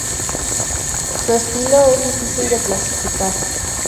Su estilo es difícil de clasificar.